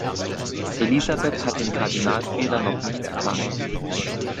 Elisabeth hat den Kardinalfehler noch nicht erkannt.